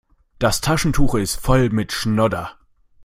Das Taschentuch ist voll mit Schnodder.